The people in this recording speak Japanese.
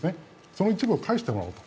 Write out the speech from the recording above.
その一部を返してもらおうと。